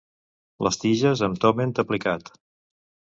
Les tiges amb toment aplicat.